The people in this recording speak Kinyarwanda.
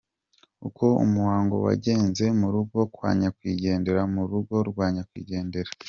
Uko umuhango wagenzeMu rugo kwa NyakwigenderaMu rugo rwa Nyakwigendera.